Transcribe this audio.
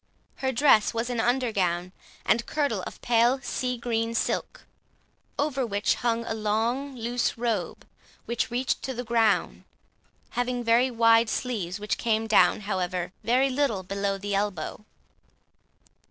Her dress was an under gown and kirtle of pale sea green silk, over which hung a long loose robe, which reached to the ground, having very wide sleeves, which came down, however, very little below the elbow.